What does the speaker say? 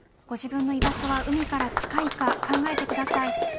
ご自分の居場所が海から近いか考えてください。